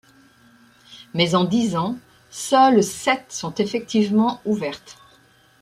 Mais en dix ans, seules sept sont effectivement ouvertes.